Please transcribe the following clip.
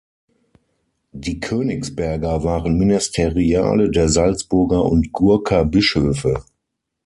Die Königsberger waren Ministeriale der Salzburger und Gurker Bischöfe.